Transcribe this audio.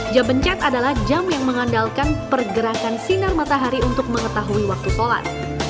jam bencet adalah jam yang mengandalkan pergerakan sinar matahari untuk mengetahui waktu sholat